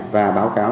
và báo cáo